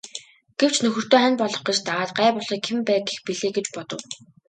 Гэвч нөхөртөө хань болох гэж дагаад гай болохыг хэн байг гэх билээ гэж бодов.